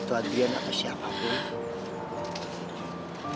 kalo ada lelaki yang begitu adliyan apa siapapun